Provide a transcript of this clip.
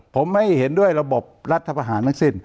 ผมไม่เห็นด้วยระบบรัฐประหารทั้งสิ้น